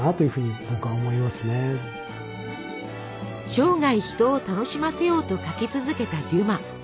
生涯人を楽しませようと書き続けたデュマ。